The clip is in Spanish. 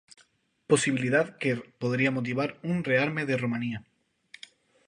Posibilidad que podría motivar un rearme de Rumanía.